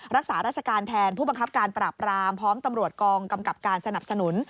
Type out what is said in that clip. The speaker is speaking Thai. รักษาราชการแทนผู้บังคับการปราบรามพร้อมตำรวจกองกำกับการสนับสนุน